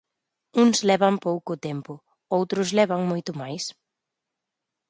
Uns levan pouco tempo, outros levan moito máis.